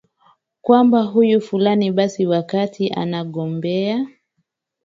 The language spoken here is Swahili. kwamba huyu fulani basi wakati anagobea